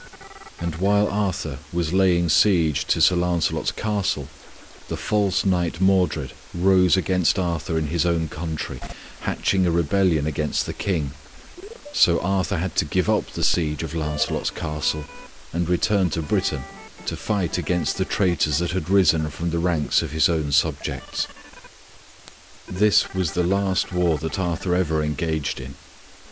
And while Arthur was laying siege to Sir Lancelot's castle, the false knight Modred rose against Arthur in his own country, hatching a rebellion against the King, so Arthur had to give up the siege of Lancelot's castle and return to Britain to fight against the traitors that had risen from the ranks of his own subjects. This was the last war that Arthur ever engaged in.